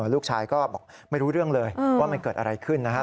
ลูกชายก็บอกไม่รู้เรื่องเลยว่ามันเกิดอะไรขึ้นนะครับ